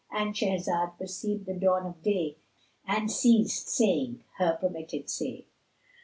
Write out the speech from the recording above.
—And Shahrazad perceived the dawn of day and ceased saying her permitted say.